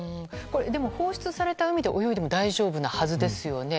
でも放出された海で泳いでも大丈夫なはずですよね。